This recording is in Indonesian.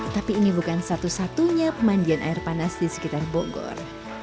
tapi ini bukan satu satunya pemandian air panas di sekitar bogor